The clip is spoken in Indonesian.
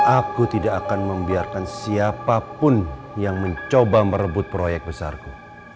aku tidak akan membiarkan siapapun yang mencoba merebut proyek besarku